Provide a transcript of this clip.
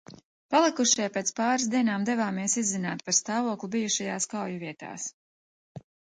Palikušie pēc pāris dienām devāmies izzināt par stāvokli bijušajās kauju vietās.